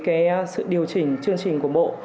cái sự điều chỉnh chương trình của bộ